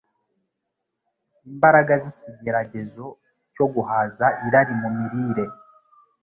Imbaraga z’ikigeragezo cyo guhaza irari mu mirire